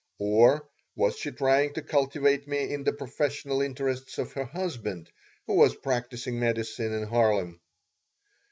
Or was she trying to cultivate me in the professional interests of her husband, who was practising medicine in Harlem?